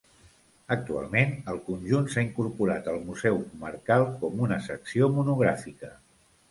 Actualment, el conjunt s'ha incorporat al Museu Comarcal com una secció monogràfica.